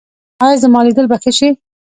ایا زما لیدل به ښه شي؟